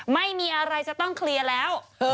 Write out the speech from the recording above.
ไม่มีอะไรจะต้องเคลียร์แล้ว